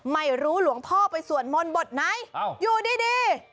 หลวงพ่อไปสวดมนต์บทไหนอยู่ดี